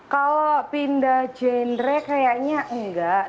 kalau pindah genre kayaknya enggak